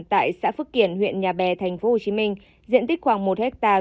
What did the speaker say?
tại xã phước kiển huyện nhà bè tp hcm diện tích khoảng một ha